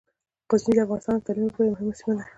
غزني د افغانستان د تعلیم لپاره یوه مهمه سیمه ده.